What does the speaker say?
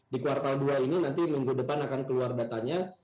di kuartal dua ini nanti minggu depan akan keluar datanya